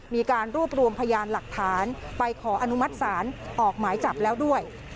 มีการรวบรวมพยานหลักฐานไปขออนุมัติศาลออกหมายจับแล้วด้วย